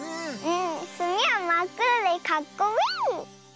すみはまっくろでかっこいい！